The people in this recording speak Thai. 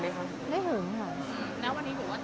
แล้ววันนี้ผมก็ตัดผันของพี่เสค